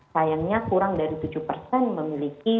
sayangnya kurang dari tujuh persen memiliki